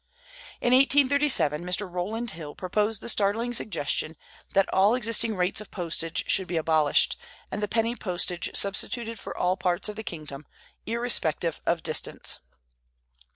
In 1837 Mr. Rowland Hill proposed the startling suggestion that all existing rates of postage should be abolished, and the penny postage substituted for all parts of the kingdom, irrespective of distance.